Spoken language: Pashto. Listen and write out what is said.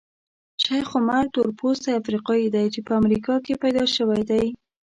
شیخ عمر تورپوستی افریقایي دی چې په امریکا کې پیدا شوی دی.